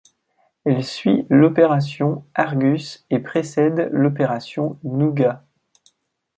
Elle suit l'opération Argus et précède l'opération Nougat.